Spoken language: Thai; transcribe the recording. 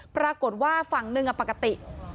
ปรากฏว่าฝั่งหนึ่งปกติ